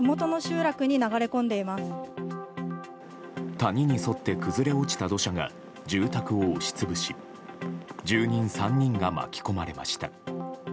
谷に沿って崩れ落ちた土砂が住宅を押し潰し住人３人が巻き込まれました。